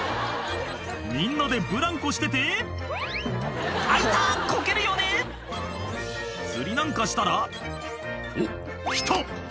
みんなでブランコしてて「あ痛っ」こけるよね釣りなんかしたら「おっ来た」